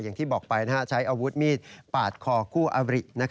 อย่างที่บอกไปใช้อาวุธมีดปาดคอคู่อบริ